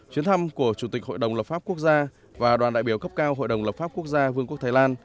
chuyến thăm của chủ tịch hội đồng lập pháp quốc gia và đoàn đại biểu cấp cao hội đồng lập pháp quốc gia vương quốc thái lan